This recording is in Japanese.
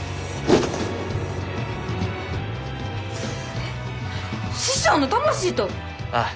えっ師匠の魂と！？